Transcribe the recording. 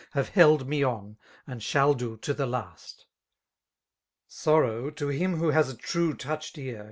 Have held me on, and shall do to the last. Sorrow, to him wha has a true touched ear.